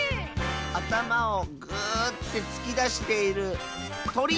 あたまをグーッてつきだしているとり！